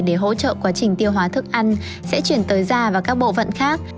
để hỗ trợ quá trình tiêu hóa thức ăn sẽ chuyển tới da và các bộ phận khác